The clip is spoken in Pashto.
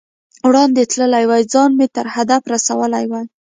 وړاندې تللی وای، ځان مې تر هدف رسولی وای.